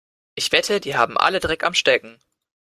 Ich wette, die haben alle Dreck am Stecken.